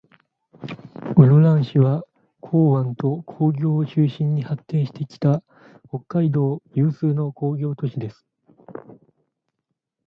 室蘭市は、港湾と工業を中心に発展してきた、北海道有数の工業都市です。